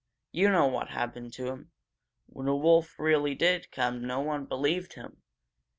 You know what happened to him. When a wolf really did come no one believed him.